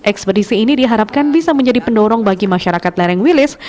ekspedisi ini diharapkan bisa menjadi pendorong bagi masyarakat lereng wilis